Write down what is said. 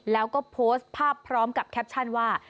แล้วก็โพสต์ภาพพร้อมกับแคปชั่นว่า